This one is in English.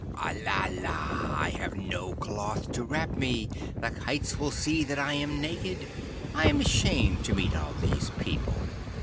Alala! I have no cloth to wrap me. The kites will see that I am naked. I am ashamed to meet all these people.